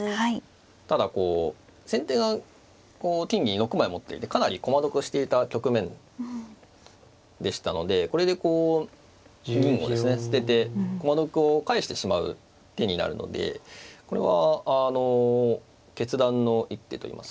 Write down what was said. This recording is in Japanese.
ただ先手が金銀６枚持っていてかなり駒得していた局面でしたのでこれでこう銀をですね捨てて駒得を返してしまう手になるのでこれはあの決断の一手といいますか。